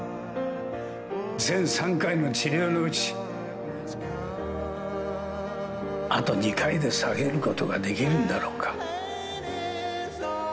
全３回の治療のうち、あと２回で下げることができるんだろうか。